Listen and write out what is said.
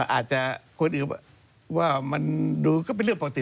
อาจจะคนอื่นว่ามันดูก็เป็นเรื่องปกติ